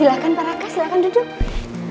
silahkan pak raka silahkan duduk